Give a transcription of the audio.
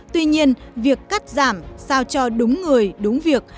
tuy nhiên việc cắt giảm sao cho đúng người đúng việc